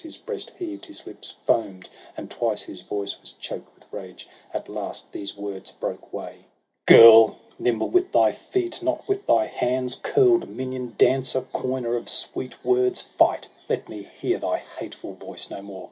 His breast heaved, his lips foam'd, and twice his voice Was choked with rage; at last these words broke way :—' Girl ! nimble with thy feet, not with thy hands ! Curl'd minion, dancer, coiner of sweet words ! Fight, let me hear thy hateful voice no more